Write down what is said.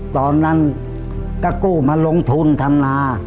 ตอนนั้นก็กู้มาลงทุนทำนา